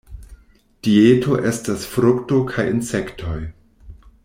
Dieto estas frukto kaj insektoj.